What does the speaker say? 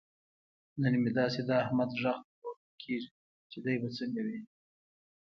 نن مې داسې د احمد غږ تر غوږو کېږي. چې دی به څنګه وي.